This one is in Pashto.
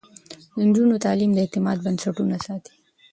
د نجونو تعليم د اعتماد بنسټونه ساتي.